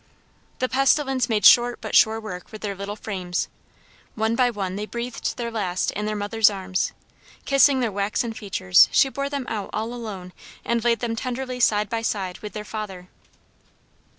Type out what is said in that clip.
The pestilence made short but sure work with their little frames. One by one they breathed their last in their mother's arms. Kissing their waxen features, she bore them out all alone and laid them tenderly side by side with their father.